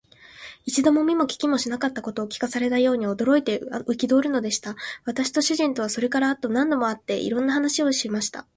一度も見も聞きもしなかったことを聞かされたように、驚いて憤るのでした。私と主人とは、それから後も何度も会って、いろんな話をしました。